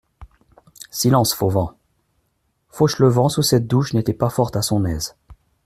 Silence, Fauvent ! Fauchelevent, sous cette douche, n'était pas fort à son aise.